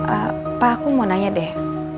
ehm pak aku mau tanyain deh